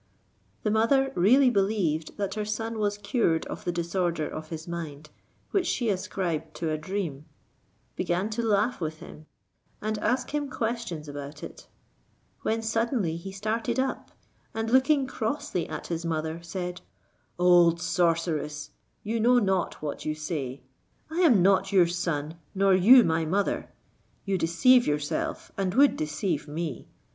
The mother really believed that her son was cured of the disorder of his mind, which she ascribed to a dream, began to laugh with him, and ask him questions about it; when suddenly he started up, and looking crossly at his mother, said, "Old sorceress, you know not what you say. I am not your son, nor you my mother. You deceive yourself and would deceive me.